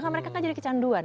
mereka kan jadi kecanduan